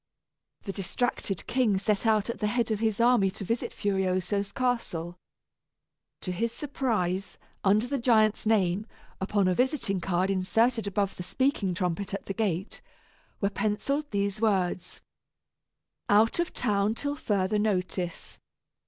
The distracted king set out at the head of his army to visit Furioso's castle. To his surprise, under the giant's name, upon a visiting card inserted above the speaking trumpet at the gate, were pencilled these words: "Out of town till further notice."